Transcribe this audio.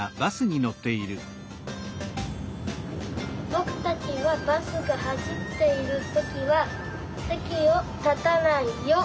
ぼくたちはバスがはしっているときはせきをたたないよ。